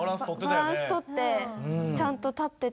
バランス取ってちゃんと立ってて。